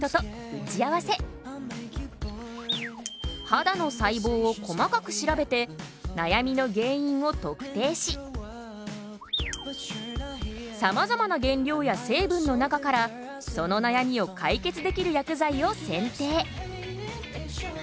肌の細胞を細かく調べて悩みの原因を特定しさまざまな原料や成分の中からその悩みを解決できる薬剤を選定。